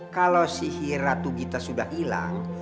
kalau sihir ratu gita sudah hilang